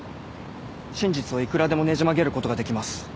真実をいくらでもねじ曲げることができます。